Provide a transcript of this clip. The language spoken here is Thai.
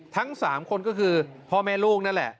ทั้ง๓คนก็คือพ่อแม่ลูกนั่นแหละ